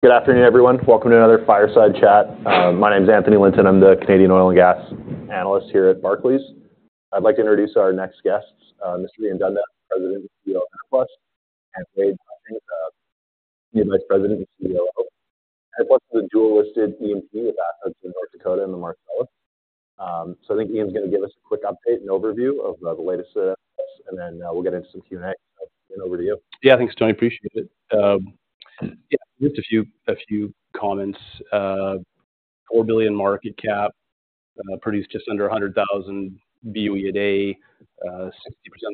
Good afternoon, everyone. Welcome to another Fireside Chat. My name is Anthony Linton. I'm the Canadian oil and gas analyst here at Barclays. I'd like to introduce our next guests, Mr. Ian Dundas, President and Chief Executive Officer of Enerplus, and Wade Hutchings, the Vice President and Chief Operating Officer of what's the dual-listed E&P asset in North Dakota and the Marcellus. So I think Ian's gonna give us a quick update and overview of the latest, and then we'll get into some Q&A. So over to you. Yeah, thanks, Tony. Appreciate it. Just a few comments. $4 billion market cap, produce just under 100,000 BOE a day. 60% of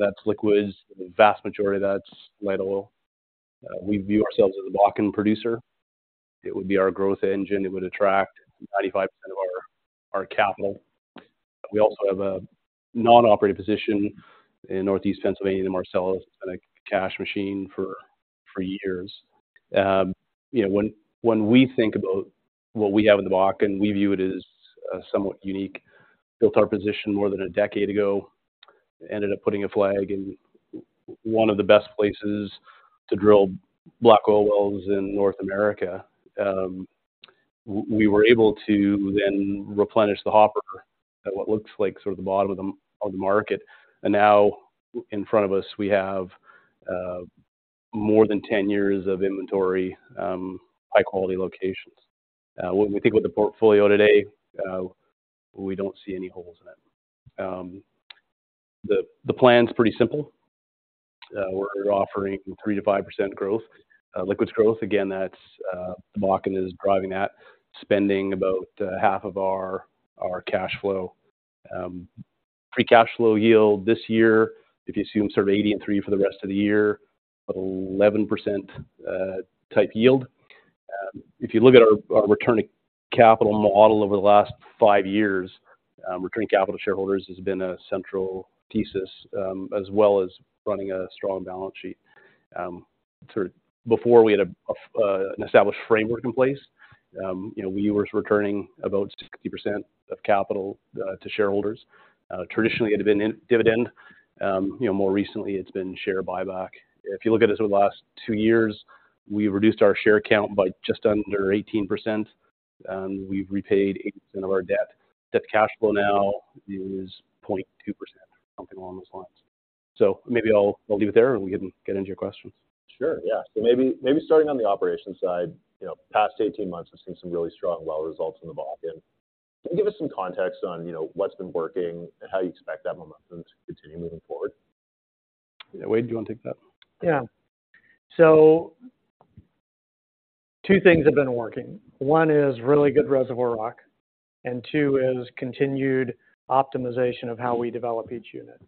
that's liquids, the vast majority of that's light oil. We view ourselves as a Bakken producer. It would be our growth engine, it would attract 95% of our capital. We also have a non-operated position in Northeast Pennsylvania, Marcellus, been a cash machine for years. You know, when we think about what we have in the Bakken, we view it as somewhat unique. Built our position more than a decade ago, ended up putting a flag in one of the best places to drill black oil wells in North America. We were able to then replenish the hopper at what looks like sort of the bottom of the market, and now in front of us, we have more than 10 years of inventory, high-quality locations. When we think about the portfolio today, we don't see any holes in it. The plan's pretty simple. We're offering 3%-5% growth, liquids growth. Again, that's the Bakken is driving that, spending about half of our cash flow. Free cash flow yield this year, if you assume sort of $80 and $3 for the rest of the year, 11%, type yield. If you look at our, our return of capital model over the last five years, returning capital to shareholders has been a central thesis, as well as running a strong balance sheet. Sort of before we had a, an established framework in place, you know, we were returning about 60% of capital to shareholders. Traditionally, it had been in dividend, you know, more recently, it's been share buyback. If you look at us over the last two years, we've reduced our share count by just under 18%, and we've repaid 80% of our debt. Debt to cash flow now is 0.2%, something along those lines. So maybe I'll, I'll leave it there, and we can get into your questions. Sure, yeah. So maybe, maybe starting on the operations side, you know, past 18 months, we've seen some really strong well results in the Bakken. Can you give us some context on, you know, what's been working and how you expect that momentum to continue moving forward? Yeah. Wade, do you want to take that? Yeah. So two things have been working. One is really good reservoir rock, and two is continued optimization of how we develop each unit.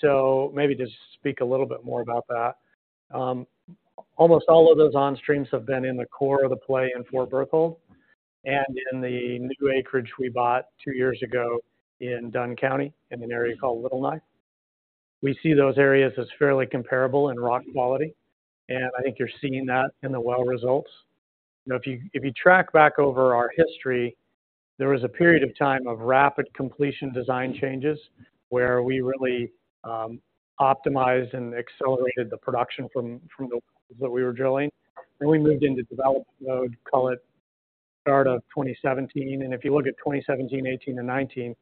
So maybe just speak a little bit more about that. Almost all of those onstreams have been in the core of the play in Fort Berthold and in the new acreage we bought two years ago in Dunn County, in an area called Little Knife. We see those areas as fairly comparable in rock quality, and I think you're seeing that in the well results. Now, if you track back over our history, there was a period of time of rapid completion design changes where we really optimized and accelerated the production from that we were drilling. Then we moved into development mode, call it start of 2017. If you look at 2017, 2018 and 2019,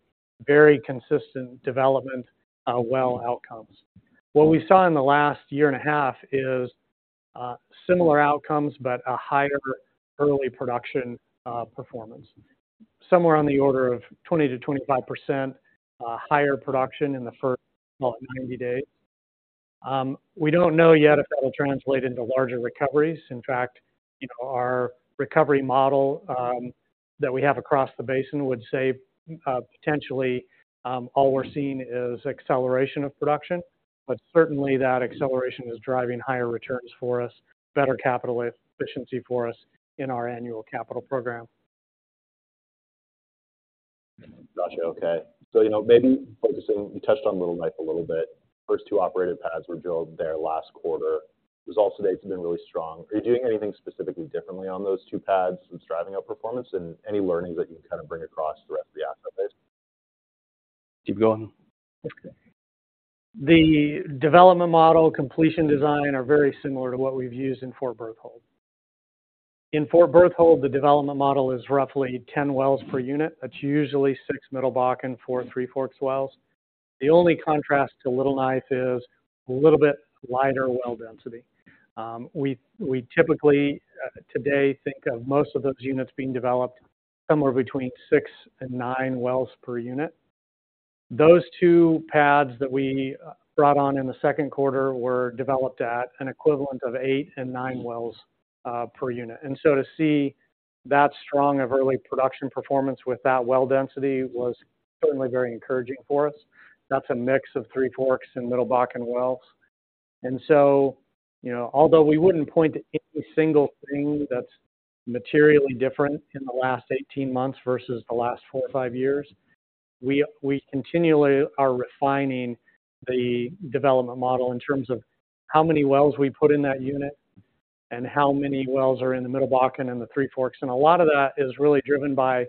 very consistent development, well outcomes. What we saw in the last year and a half is, similar outcomes, but a higher early production, performance. Somewhere on the order of 20%-25%, higher production in the first, well, 90 days. We don't know yet if that'll translate into larger recoveries. In fact, you know, our recovery model, that we have across the basin would say, potentially, all we're seeing is acceleration of production, but certainly, that acceleration is driving higher returns for us, better capital efficiency for us in our annual capital program. Gotcha. Okay. So, you know, maybe focusing... You touched on Little Knife a little bit. First two operated pads were drilled there last quarter. Results to date have been really strong. Are you doing anything specifically differently on those two pads that's driving up performance, and any learnings that you can kind of bring across the rest of the asset base? Keep going. Okay. The development model, completion design are very similar to what we've used in Fort Berthold. In Fort Berthold, the development model is roughly 10 wells per unit. That's usually six Middle Bakken, four Three Forks wells. The only contrast to Little Knife is a little bit wider well density. We typically today think of most of those units being developed somewhere between six and nine wells per unit. Those two pads that we brought on in the second quarter were developed at an equivalent of eight and nine wells per unit. And so to see that strong of early production performance with that well density was certainly very encouraging for us. That's a mix of Three Forks and Middle Bakken wells. And so, you know, although we wouldn't point to any single thing that's materially different in the last 18 months versus the last four or five years, we continually are refining the development model in terms of how many wells we put in that unit and how many wells are in the Middle Bakken and the Three Forks. And a lot of that is really driven by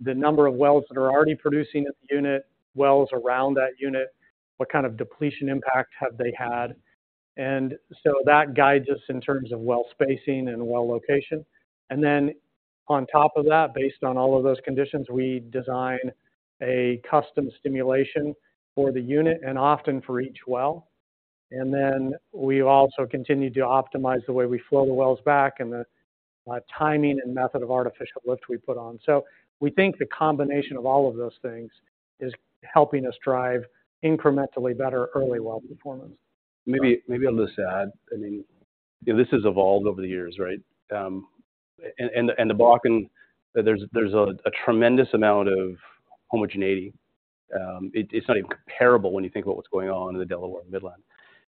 the number of wells that are already producing at the unit, wells around that unit, what kind of depletion impact have they had? And so that guides us in terms of well spacing and well location. And then on top of that, based on all of those conditions, we design a custom stimulation for the unit, and often for each well. And then we also continue to optimize the way we flow the wells back, and the timing and method of artificial lift we put on. So we think the combination of all of those things is helping us drive incrementally better early well performance. Maybe I'll just add, I mean, you know, this has evolved over the years, right? And the Bakken, there's a tremendous amount of homogeneity. It's not even comparable when you think about what's going on in the Delaware Midland.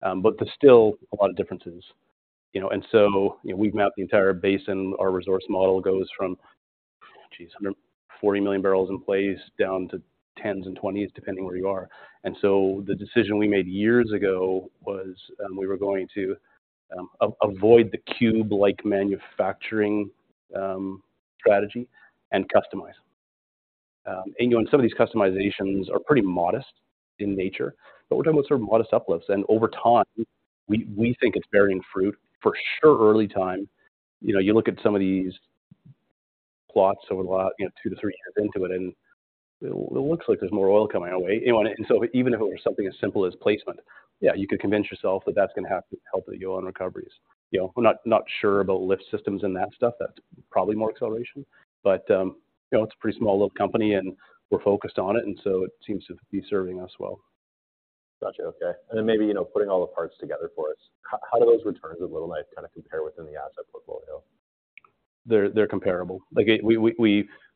But there's still a lot of differences, you know? And so, you know, we've mapped the entire basin. Our resource model goes from, geez, 140 million barrels in place, down to tens and twenties, depending where you are. And so the decision we made years ago was, we were going to avoid the cookie-cutter manufacturing strategy, and customize. And, you know, some of these customizations are pretty modest in nature, but we're talking about sort of modest uplifts. And over time, we think it's bearing fruit. For sure, early time, you know, you look at some of these plots over the last 2-3 years into it, and it looks like there's more oil coming our way, you know? And so even if it were something as simple as placement, yeah, you could convince yourself that that's gonna have to help with your own recoveries. You know, we're not sure about lift systems and that stuff. That's probably more acceleration, but, you know, it's a pretty small little company, and we're focused on it, and so it seems to be serving us well. Gotcha. Okay. And then maybe, you know, putting all the parts together for us, how do those returns with Little Knife kinda compare within the asset portfolio? They're comparable. Like...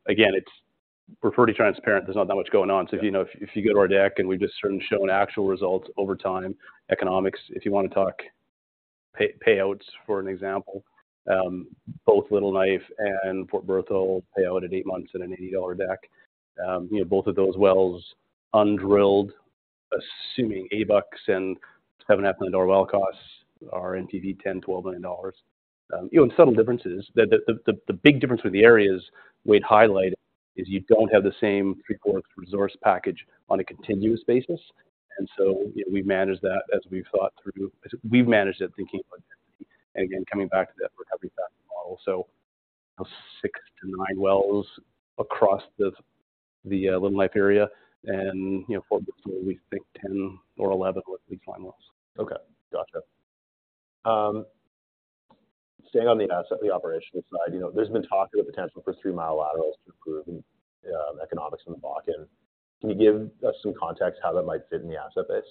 Again, it's-- we're pretty transparent. There's not that much going on. Yeah. So, you know, if you go to our deck, and we've just sort of shown actual results over time, economics. If you want to talk payouts, for example, both Little Knife and Fort Berthold payout at eight months at an $80 deck. You know, both of those wells, undrilled, assuming $8 and $7.5 million well costs are NPV $10-$12 million. You know, and subtle differences. The big difference with the areas we'd highlight is you don't have the same resource package on a continuous basis, and so, you know, we've managed that as we've thought through—we've managed that thinking about it. And again, coming back to that recovery factor model. So 6-9 wells across the Little Knife area, and you know, Fort Berthold, we think 10 or 11 with these line wells. Okay, gotcha. Staying on the asset, the operational side, you know, there's been talk of the potential for three-mile laterals to improve economics in the Bakken. Can you give us some context how that might fit in the asset base?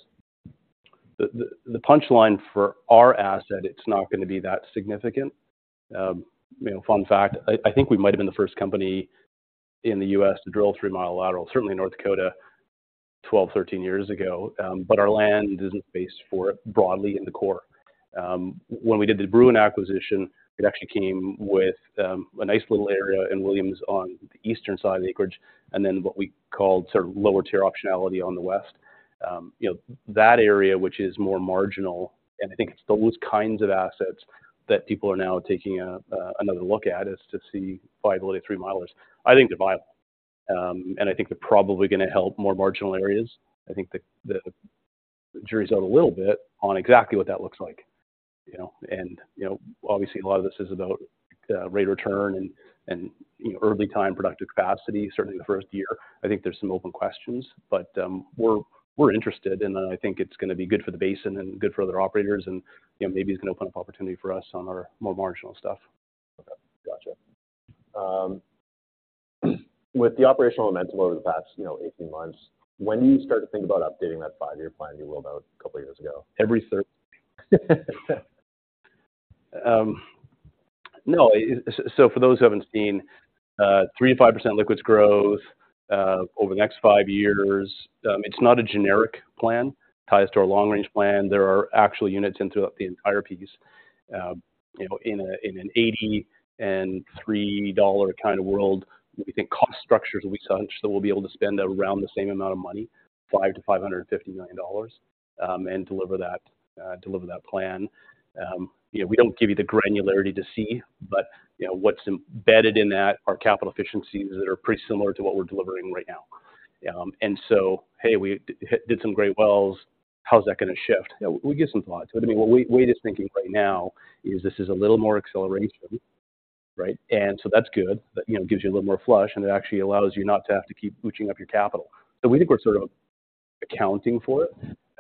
The punchline for our asset, it's not gonna be that significant. You know, fun fact, I think we might have been the first company in the U.S. to drill a three-mile lateral, certainly in North Dakota, 12-13 years ago. But our land isn't based for it broadly in the core. When we did the Bruin acquisition, it actually came with a nice little area in Williams on the eastern side of the acreage, and then what we called sort of lower tier optionality on the west. You know, that area, which is more marginal, and I think it's those kinds of assets that people are now taking another look at, is to see viability of three-milers. I think they're viable, and I think they're probably gonna help more marginal areas. I think the jury's out a little bit on exactly what that looks like, you know? And, you know, obviously, a lot of this is about rate of return and, you know, early time productive capacity, certainly the first year. I think there's some open questions, but, we're interested, and I think it's gonna be good for the basin and good for other operators, and, you know, maybe it's gonna open up opportunity for us on our more marginal stuff. Okay, gotcha. With the operational momentum over the past, you know, 18 months, when do you start to think about updating that five-year plan you rolled out a couple years ago? For those who haven't seen, 3%-5% liquids growth over the next five years, it's not a generic plan. Ties to our long-range plan. There are actual units into the entire piece. You know, in an $83 dollar kind of world, we think cost structures will be such that we'll be able to spend around the same amount of money, $5 million-$550 million, and deliver that plan. You know, we don't give you the granularity to see, but, you know, what's embedded in that are capital efficiencies that are pretty similar to what we're delivering right now. And so, hey, we did some great wells. How's that gonna shift? Yeah, we give some thought to it. I mean, what we're just thinking right now is this is a little more acceleration, right? And so that's good. That, you know, gives you a little more flush, and it actually allows you not to have to keep moving up your capital. So we think we're sort of accounting for it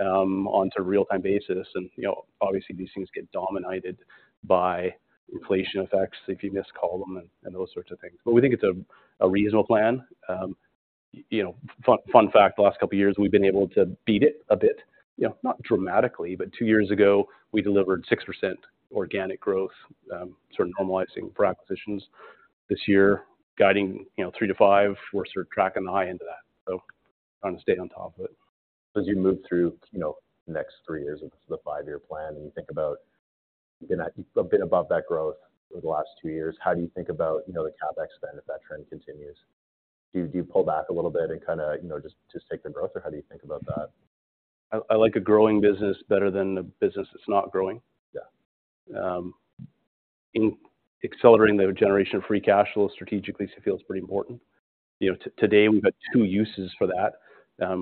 on a real-time basis. And, you know, obviously, these things get dominated by inflation effects if you miscall them and those sorts of things. But we think it's a reasonable plan. You know, fun, fun fact, the last couple of years, we've been able to beat it a bit. You know, not dramatically, but two years ago, we delivered 6% organic growth, sort of normalizing for acquisitions. This year, guiding, you know, 3%-5%, we're sort of tracking the high end of that. Trying to stay on top of it. As you move through, you know, the next three years of the 5-year plan, and you think about, you know, a bit above that growth over the last two years, how do you think about, you know, the CapEx spend if that trend continues? Do you, do you pull back a little bit and kinda, you know, just, just take the growth, or how do you think about that? I like a growing business better than a business that's not growing. Yeah. In accelerating the generation of free cash flow strategically, it feels pretty important. You know, today, we've got two uses for that.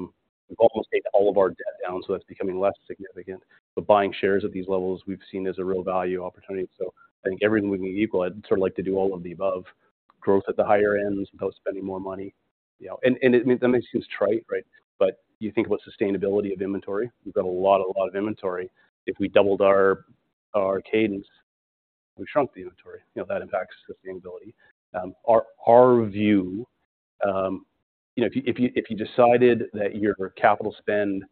We've almost paid all of our debt down, so that's becoming less significant. But buying shares at these levels, we've seen as a real value opportunity. So I think everything being equal, I'd sort of like to do all of the above. Growth at the higher ends without spending more money, you know, and it, that may seem trite, right? But you think about sustainability of inventory. We've got a lot, a lot of inventory. If we doubled our cadence, we shrunk the inventory. You know, that impacts sustainability. Our view, you know, if you decided that your capital spend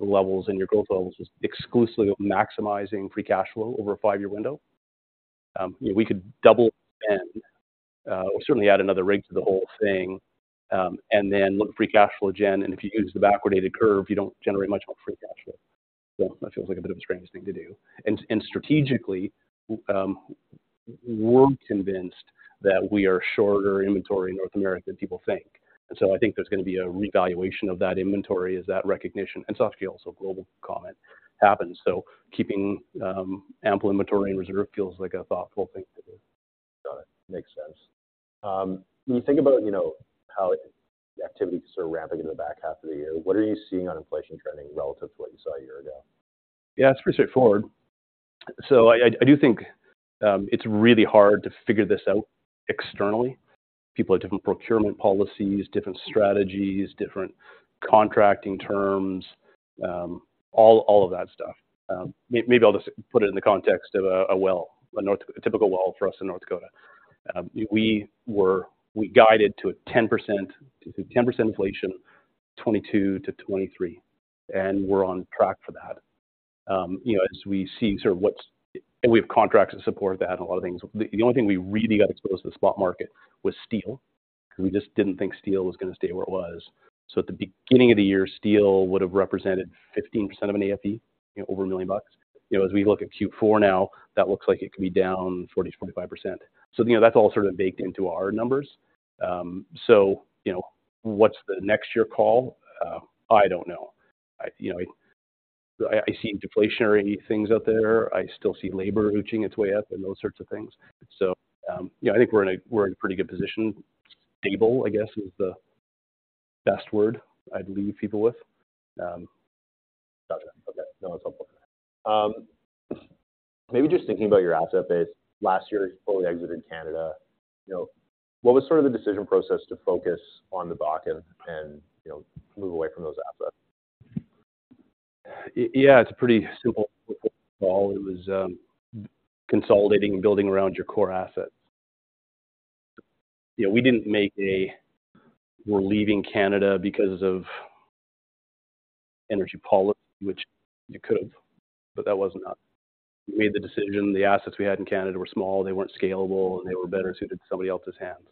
levels and your growth levels was exclusively maximizing free cash flow over a five-year window, you know, we could double spend, or certainly add another rig to the whole thing, and then look at free cash flow gen, and if you use the backwardated curve, you don't generate much more free cash flow. So that feels like a bit of a strange thing to do. And strategically, we're convinced that we are shorter inventory in North America than people think. And so I think there's gonna be a revaluation of that inventory as that recognition, and soft scale, so global comment happens. So keeping ample inventory and reserve feels like a thoughtful thing to do. Got it. Makes sense. When you think about, you know, how activity sort of ramping into the back half of the year, what are you seeing on inflation trending relative to what you saw a year ago? Yeah, it's pretty straightforward. So I do think it's really hard to figure this out externally. People have different procurement policies, different strategies, different contracting terms, all of that stuff. Maybe I'll just put it in the context of a typical well for us in North Dakota. We guided to 10%, to 10% inflation, 2022-2023, and we're on track for that. You know, as we see sort of what's... We have contracts that support that and a lot of things. The only thing we really got exposed to the spot market was steel, because we just didn't think steel was gonna stay where it was. So at the beginning of the year, steel would have represented 15% of an AFE, over $1 million. You know, as we look at Q4 now, that looks like it could be down 40%-45%. So, you know, that's all sort of baked into our numbers. So, you know, what's the next year call? I don't know. You know, I see deflationary things out there. I still see labor inching its way up and those sorts of things. So, you know, I think we're in a pretty good position. Stable, I guess, is the best word I'd leave people with. Gotcha. Okay, no, that's helpful. Maybe just thinking about your asset base. Last year, you fully exited Canada, you know, what was sort of the decision process to focus on the Bakken and, you know, move away from those assets? Yeah, it's a pretty simple call. It was consolidating and building around your core assets. You know, we didn't make a, "We're leaving Canada because of energy policy," which you could have, but that was not... We made the decision, the assets we had in Canada were small, they weren't scalable, and they were better suited to somebody else's hands.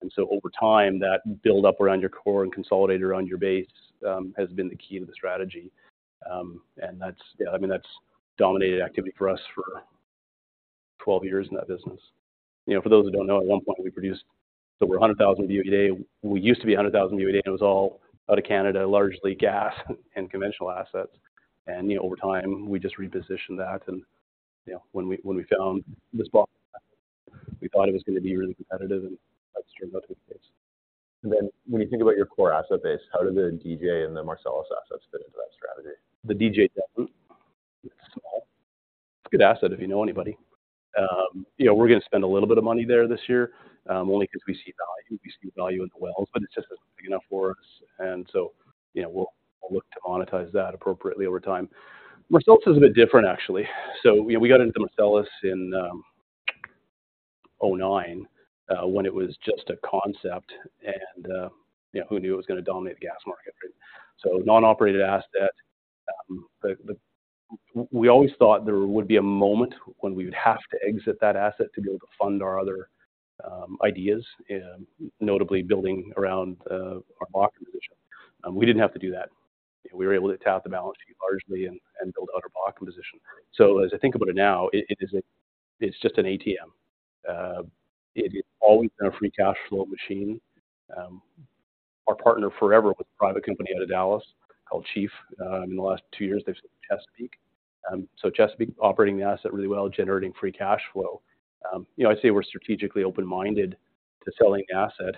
And so over time, that build up around your core and consolidate around your base has been the key to the strategy. And that's, yeah, I mean, that's dominated activity for us for 12 years in that business. You know, for those who don't know, at one point we produced, so we're 100,000 BOE a day. We used to be 100,000 BOE a day, and it was all out of Canada, largely gas and conventional assets. You know, over time, we just repositioned that, and, you know, when we found the spot, we thought it was gonna be really competitive, and that's turned out to be the case. And then when you think about your core asset base, how do the DJ and the Marcellus assets fit into that strategy? The DJ, it's small. Good asset, if you know anybody. You know, we're gonna spend a little bit of money there this year, only because we see value. We see value in the wells, but it's just not big enough for us, and so, you know, we'll look to monetize that appropriately over time. Marcellus is a bit different, actually. So, you know, we got into Marcellus in 2009, when it was just a concept, and you know, who knew it was gonna dominate the gas market, right? So non-operated asset, but we always thought there would be a moment when we would have to exit that asset to be able to fund our other ideas, notably building around our Bakken position. We didn't have to do that. We were able to tap the balance sheet largely and build out our Bakken position. So as I think about it now, it is. It's just an ATM. It's always been a free cash flow machine. Our partner forever with a private company out of Dallas called Chief. In the last two years, they've... Chesapeake. So Chesapeake operating the asset really well, generating free cash flow. You know, I say we're strategically open-minded to selling the asset,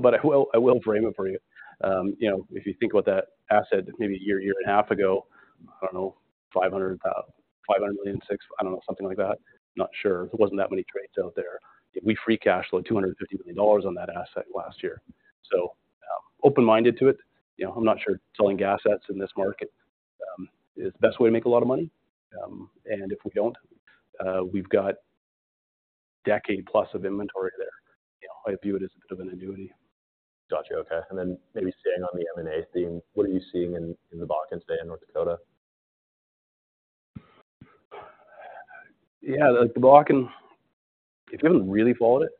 but I will frame it for you. You know, if you think about that asset, maybe a year, year and a half ago, I don't know, $500 million-$600 million, I don't know, something like that. Not sure. There wasn't that many trades out there. We free cash flowed $250 million on that asset last year. So, open-minded to it. You know, I'm not sure selling assets in this market is the best way to make a lot of money. And if we don't, we've got decade plus of inventory there. You know, I view it as a bit of an annuity. Got you. Okay. And then maybe staying on the M&A theme, what are you seeing in the Bakken today in North Dakota? Yeah, the Bakken, if you haven't really followed it,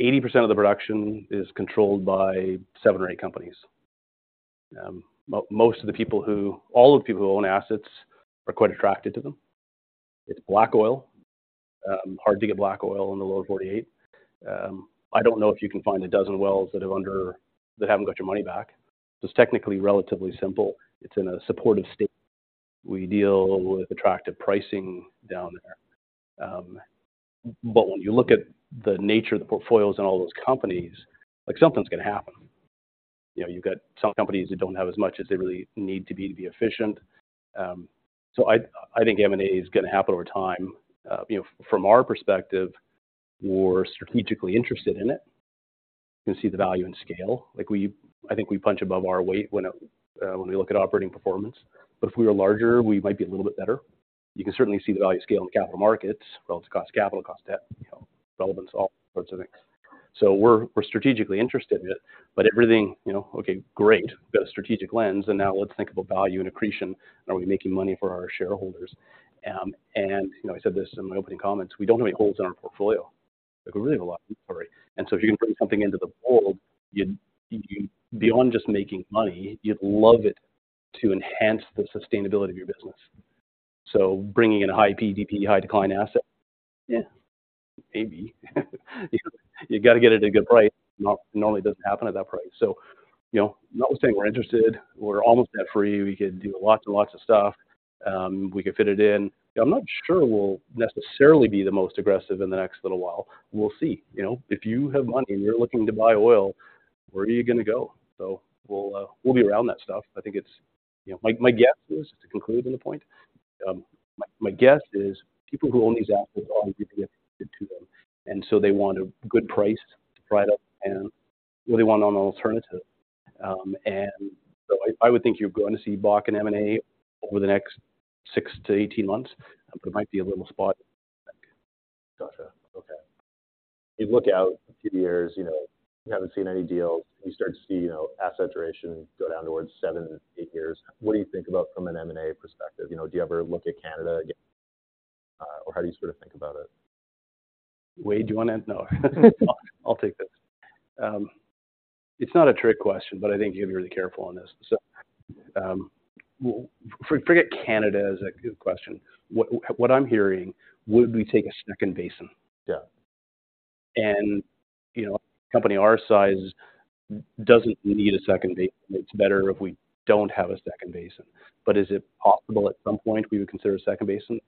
80% of the production is controlled by seven or eight companies. All of the people who own assets are quite attracted to them. It's black oil. Hard to get black oil in the lower 48. I don't know if you can find a dozen wells that haven't got your money back. It's technically relatively simple. It's in a supportive state. We deal with attractive pricing down there. But when you look at the nature of the portfolios and all those companies, like, something's gonna happen. You know, you've got some companies that don't have as much as they really need to be to be efficient. So I think M&A is gonna happen over time. You know, from our perspective, we're strategically interested in it. We can see the value in scale. Like, we-- I think we punch above our weight when, when we look at operating performance. But if we were larger, we might be a little bit better. You can certainly see the value of scale in the capital markets, relative cost of capital, cost of debt, you know, relevance, all those sorts of things. So we're, we're strategically interested in it, but everything, you know... Okay, great, we've got a strategic lens, and now let's think about value and accretion. Are we making money for our shareholders? And, you know, I said this in my opening comments, we don't have any holes in our portfolio. Like, we really have a lot to worry. And so if you can bring something into the fold, you'd beyond just making money, you'd love it to enhance the sustainability of your business. So bringing in a high PDP, high decline asset, yeah, maybe. You gotta get it at a good price. Normally, it doesn't happen at that price. So, you know, I'm not saying we're interested. We're almost there for you. We could do lots and lots of stuff. We could fit it in. I'm not sure we'll necessarily be the most aggressive in the next little while. We'll see. You know, if you have money and you're looking to buy oil, where are you gonna go? So we'll, we'll be around that stuff. I think it's, you know... My guess is, to conclude on the point, my guess is people who own these assets are gonna get to them, and so they want a good price right up, and well, they want an alternative. And so I would think you're going to see Bakken M&A over the next 6-18 months, but it might be a little spot. Gotcha. Okay. You look out a few years, you know, you haven't seen any deals, you start to see, you know, asset duration go down towards seven, eight years. What do you think about from an M&A perspective? You know, do you ever look at Canada again, or how do you sort of think about it? Wade, do you wanna... No, I'll take this. It's not a trick question, but I think you have to be really careful on this. So, forget Canada as a good question. What, what I'm hearing, would we take a second basin? Yeah. You know, a company our size doesn't need a second basin. It's better if we don't have a second basin. But is it possible at some point we would consider a second basin? Of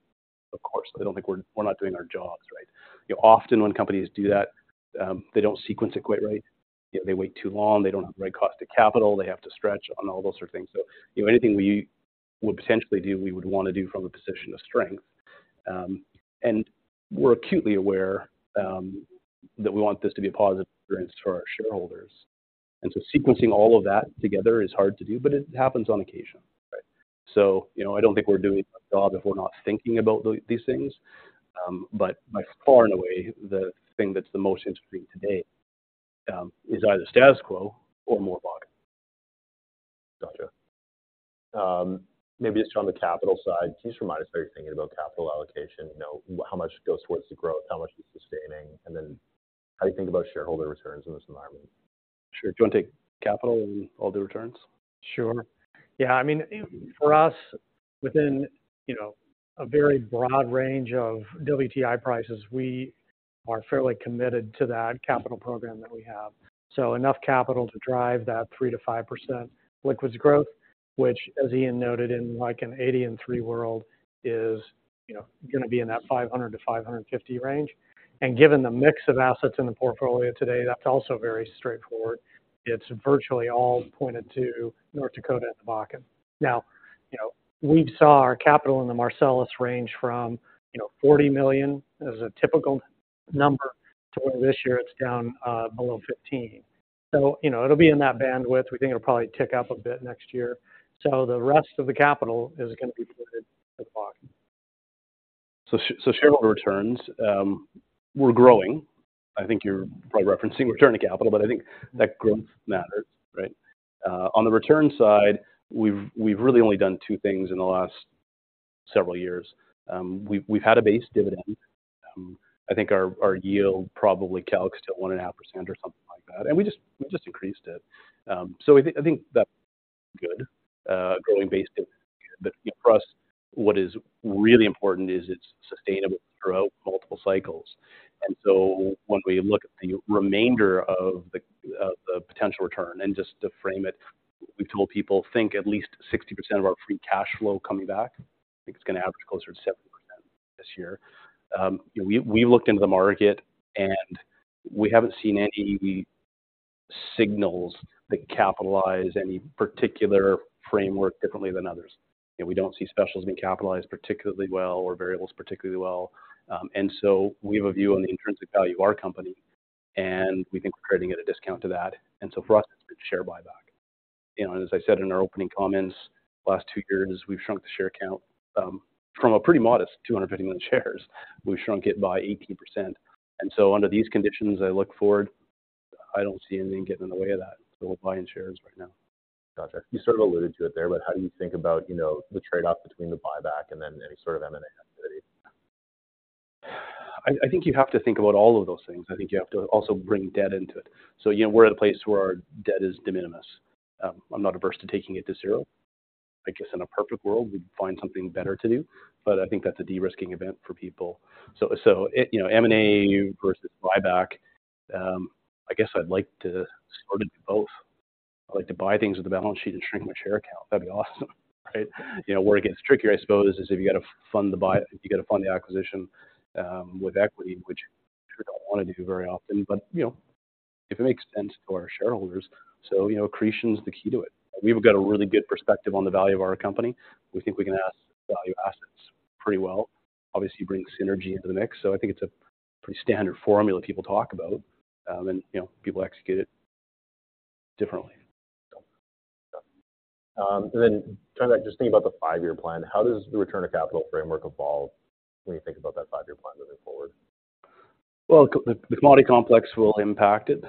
course. I don't think we're—we're not doing our jobs, right? You know, often when companies do that, they don't sequence it quite right. They wait too long, they don't have the right cost of capital, they have to stretch on all those sort of things. So, you know, anything we would potentially do, we would wanna do from a position of strength. And we're acutely aware that we want this to be a positive experience for our shareholders. And so sequencing all of that together is hard to do, but it happens on occasion, right? You know, I don't think we're doing our job if we're not thinking about these things, but by far and away, the thing that's the most interesting today is either status quo or more buying. Gotcha. Maybe just on the capital side, can you just remind us how you're thinking about capital allocation? You know, how much goes towards the growth, how much is sustaining, and then how do you think about shareholder returns in this environment? Sure. Do you want to take capital and I'll do returns? Sure. Yeah, I mean, for us, within, you know, a very broad range of WTI prices, we are fairly committed to that capital program that we have. So enough capital to drive that 3%-5% liquids growth, which, as Ian noted, in like an $83 world, is, you know, gonna be in that $500-$550 range. And given the mix of assets in the portfolio today, that's also very straightforward. It's virtually all pointed to North Dakota and the Bakken. Now, you know, we saw our capital in the Marcellus range from, you know, $40 million as a typical number, to where this year it's down below $15 million. So, you know, it'll be in that bandwidth. We think it'll probably tick up a bit next year. So the rest of the capital is gonna be dedicated to Bakken. So shareholder returns, we're growing. I think you're probably referencing return on capital, but I think that growth matters, right? On the return side, we've really only done two things in the last several years. We've had a base dividend. I think our yield probably calcs to 1.5% or something like that, and we just increased it. So I think that's good, growing base dividend. But for us, what is really important is it's sustainable throughout multiple cycles. And so when we look at the remainder of the potential return, and just to frame it, we've told people, think at least 60% of our free cash flow coming back, I think it's gonna average closer to 70% this year. We looked into the market, and we haven't seen any signals that capitalize any particular framework differently than others. And we don't see specials being capitalized particularly well or variables particularly well. And so we have a view on the intrinsic value of our company, and we think we're creating at a discount to that, and so for us, it's been share buyback. You know, and as I said in our opening comments, last two years, we've shrunk the share count from a pretty modest 250 million shares. We've shrunk it by 18%. And so under these conditions, I look forward, I don't see anything getting in the way of that. So we're buying shares right now. Gotcha. You sort of alluded to it there, but how do you think about, you know, the trade-off between the buyback and then any sort of M&A activity? I think you have to think about all of those things. I think you have to also bring debt into it. So, you know, we're at a place where our debt is de minimis. I'm not averse to taking it to zero. I guess in a perfect world, we'd find something better to do, but I think that's a de-risking event for people. So, you know, M&A versus buyback, I guess I'd like to sort of do both.... I'd like to buy things with the balance sheet and shrink my share count. That'd be awesome, right? You know, where it gets trickier, I suppose, is if you gotta fund the acquisition with equity, which you don't wanna do very often. You know, if it makes sense to our shareholders, so you know, accretion is the key to it. We've got a really good perspective on the value of our company. We think we can acquire value assets pretty well. Obviously, bring synergy into the mix, so I think it's a pretty standard formula people talk about. And you know, people execute it differently. Yeah. And then kinda just think about the five-year plan. How does the return on capital framework evolve when you think about that five-year plan moving forward? Well, the commodity complex will impact it.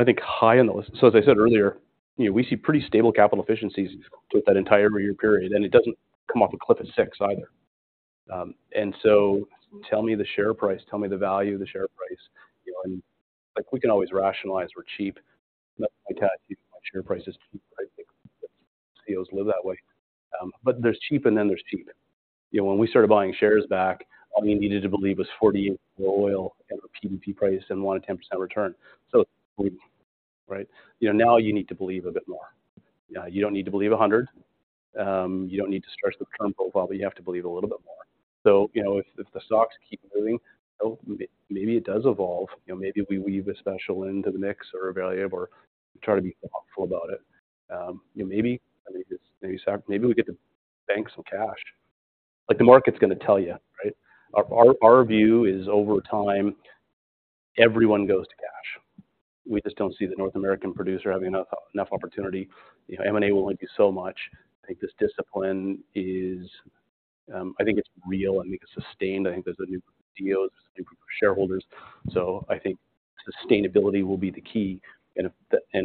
I think high on the list... So as I said earlier, you know, we see pretty stable capital efficiencies with that entire year period, and it doesn't come off a cliff at 6 either. And so tell me the share price, tell me the value of the share price, you know, and, like, we can always rationalize we're cheap. Share price is cheap, I think Chief Executive Officers live that way. But there's cheap, and then there's cheap. You know, when we started buying shares back, all we needed to believe was $48 oil and a PDP price and want a 10% return. So we-- Right? You know, now you need to believe a bit more. You don't need to believe 100, you don't need to stretch the term profile, but you have to believe a little bit more. So, you know, if, if the stocks keep moving, well, maybe it does evolve. You know, maybe we weave a special into the mix or a variable or try to be thoughtful about it. You know, maybe, I think it's... Maybe, maybe we get to bank some cash. Like, the market's gonna tell you, right? Our, our, our view is, over time, everyone goes to cash. We just don't see the North American producer having enough, enough opportunity. You know, M&A will only do so much. I think this discipline is... I think it's real, I think it's sustained, I think there's a new Chief Executive Officers, there's new group of shareholders. So I think sustainability will be the key, and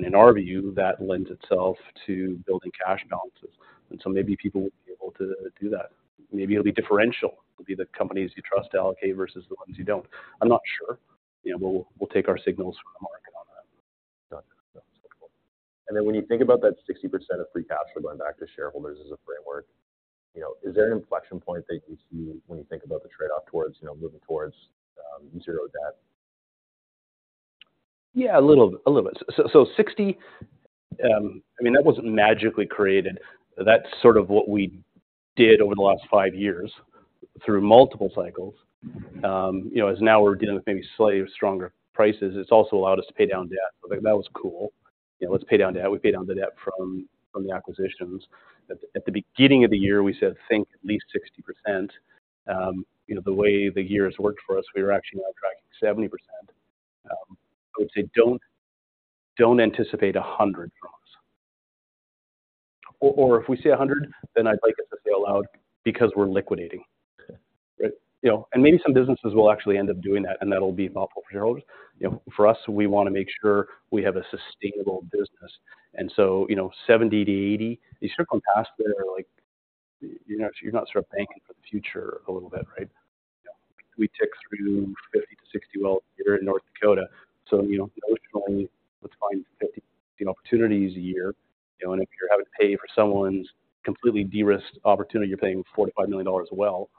in our view, that lends itself to building cash balances, and so maybe people will be able to do that. Maybe it'll be differential. It'll be the companies you trust to allocate versus the ones you don't. I'm not sure. You know, we'll, we'll take our signals from the market on that. Got it. That's helpful. And then when you think about that 60% of free cash flow going back to shareholders as a framework, you know, is there an inflection point that you see when you think about the trade-off towards, you know, moving towards zero debt? Yeah, a little, a little bit. So, sixty, I mean, that wasn't magically created. That's sort of what we did over the last five years through multiple cycles. You know, as now we're dealing with maybe slightly stronger prices, it's also allowed us to pay down debt. Like, that was cool. You know, let's pay down debt. We paid down the debt from the acquisitions. At the beginning of the year, we said, "Think at least 60%." You know, the way the year has worked for us, we are actually now tracking 70%. I would say don't anticipate 100 from us. Or if we say 100, then I'd like us to say out loud, "Because we're liquidating. Okay. Right? You know, and maybe some businesses will actually end up doing that, and that'll be thoughtful for shareholders. You know, for us, we wanna make sure we have a sustainable business, and so, you know, 70-80, you start going past there, like, you're not, you're not sort of banking for the future a little bit, right? We tick through 50-60 wells here in North Dakota, so, you know, notionally, let's find 50 opportunities a year, you know, and if you're having to pay for someone's completely de-risked opportunity, you're paying $4 million-$5 million a well,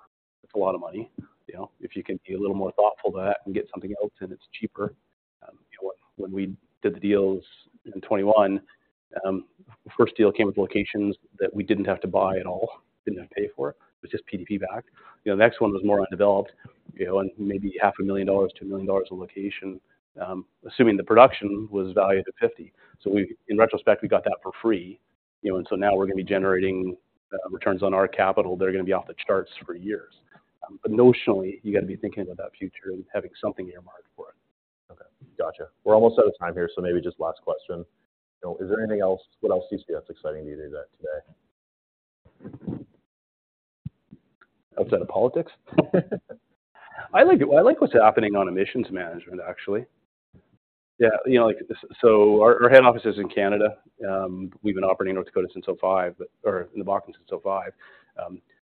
that's a lot of money. You know, if you can be a little more thoughtful to that and get something else, and it's cheaper... You know, when we did the deals in 2021, the first deal came with locations that we didn't have to buy at all, didn't have to pay for. It was just PDP Bakken. You know, the next one was more undeveloped, you know, and maybe $500,000, $2 million on location, assuming the production was valued at $50. So we... In retrospect, we got that for free, you know, and so now we're gonna be generating returns on our capital that are gonna be off the charts for years. But notionally, you gotta be thinking about that future and having something earmarked for it. Okay, gotcha. We're almost out of time here, so maybe just last question. You know, is there anything else, what else seems to be that's exciting to you today? Outside of politics? I like what's happening on emissions management, actually. Yeah, you know, like, this. So our head office is in Canada. We've been operating in North Dakota since 2005, but. Or in the Bakken since 2005.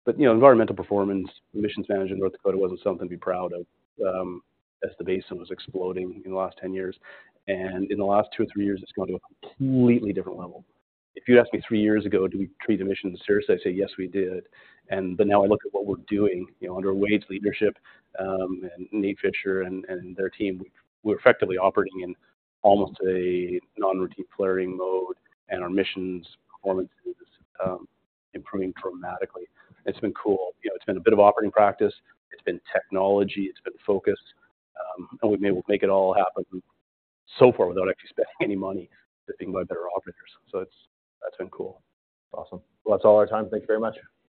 But, you know, environmental performance, emissions management in North Dakota wasn't something to be proud of, as the basin was exploding in the last 10 years. And in the last two or three years, it's gone to a completely different level. If you'd asked me three years ago, "Do we treat emissions seriously?" I'd say, "Yes, we did." And, but now I look at what we're doing, you know, under Wade's leadership, and Nate Fisher and their team, we're effectively operating in almost a non-routine flaring mode, and our emissions performance is improving dramatically. It's been cool. You know, it's been a bit of operating practice, it's been technology, it's been focus, and we've been able to make it all happen so far without actually spending any money, just being by better operators. So it's... That's been cool. Awesome. Well, that's all our time. Thank you very much. Thank you.